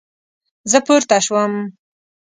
زه پورته شوم